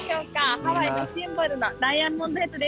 ハワイのシンボルのダイヤモンドヘッドです。